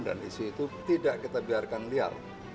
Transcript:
dan isu itu tidak kita biarkan liar